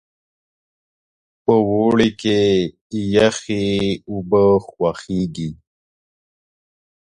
په اوړي کې یخې اوبه خوښیږي.